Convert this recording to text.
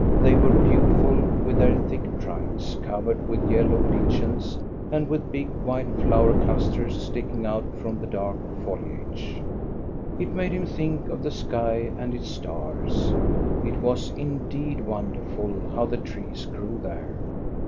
They were beauti ful with their thick trunks covered with yellow lichens, and with big, white flower clusters sticking out from the dark foliage. It made him think of the sky and its stars. It was indeed wonderful how the trees grew there.